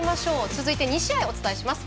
続いて２試合お伝えします。